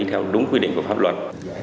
theo đúng quy định của pháp luật